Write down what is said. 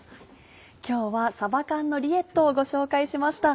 今日は「さば缶のリエット」をご紹介しました。